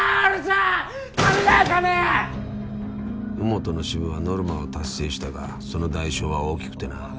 兎本の支部はノルマを達成したがその代償は大きくてな。